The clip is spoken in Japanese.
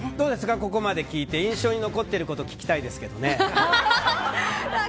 ここまで聞いて印象に残っていること聞きたいですけどね。